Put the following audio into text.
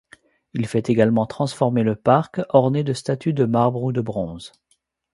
Il fait également transformer le parc, orné de statues de marbre ou de bronze.